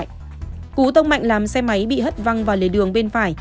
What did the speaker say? cú tông mạnh làm xe máy bị hất văng vào lề đường bên phải